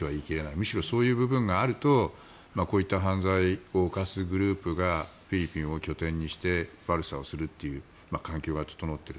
むしろ、そういう部分があるとこういった犯罪を犯すグループがフィリピンを拠点にして悪さをするという環境が整っている。